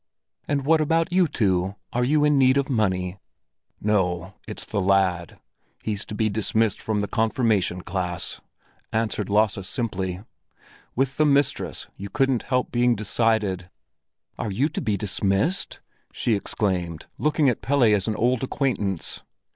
"And what about you two? Are you in need of money?" "No, it's the lad. He's to be dismissed from the confirmation class," answered Lasse simply. With the mistress you couldn't help being decided. "Are you to be dismissed?" she exclaimed, looking at Pelle as at an old acquaintance.